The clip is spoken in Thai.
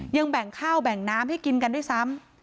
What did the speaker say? ยังแบ่งข้าวแบ่งน้ำให้กินกันด้วยซ้ำ